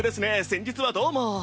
先日はどうも。